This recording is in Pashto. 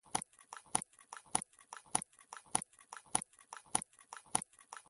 دا خبره د پینکني د څېړنو پر بنسټ کوو.